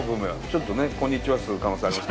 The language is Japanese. ちょっとね「こんにちは」する可能性あります。